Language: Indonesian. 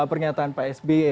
pernyataan pak sbe